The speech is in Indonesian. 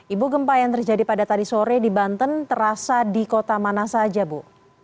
ibu gempa yang terjadi pada tadi sore di banten terasa di kota mana saja bu